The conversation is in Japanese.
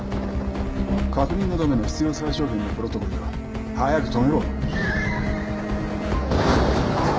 確認のための必要最小限のプロトコルだ。早く止めろ！